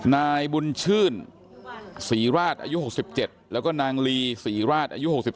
นายบุญชื่นศรีราชอายุ๖๗แล้วก็นางลีศรีราชอายุ๖๒